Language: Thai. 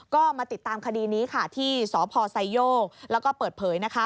ก็มาติดตามคดีนี้ค่ะที่สพไซโยกแล้วก็เปิดเผยนะคะ